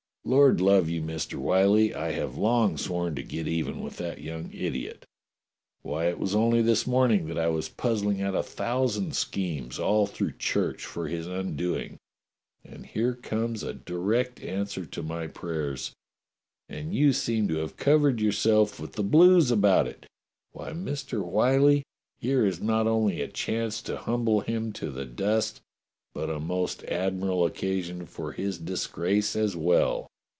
Lord love you, blister Whyllie, I have long sworn to get even with that young idiot. WTiy, it was only this morning that I was puzzling out a thousand schemes all through church for his undoing, and here comes a direct answer to my prayers, and you seem to have covered yourself with the blues about it. "VMiy, Mister WTiyllie, here is not only a chance to humble him to the dust, but a most admirable occasion for his disgrace as well."